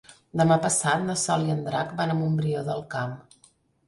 Demà passat na Sol i en Drac van a Montbrió del Camp.